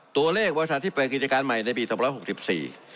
ตัวเลขบริษัทที่เปิดกิจการใหม่ในปี๒๖๔